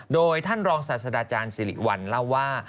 โดยท่านรองศาสดาอาจารย์สิริวัลเล่าว่า